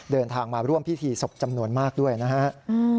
เดินทางมาร่วมพิธีศพจำนวนมากด้วยนะครับ